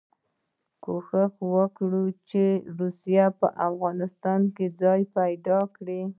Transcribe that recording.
کوښښ یې وکړ چې روسیه په افغانستان کې ځای پیدا کړي.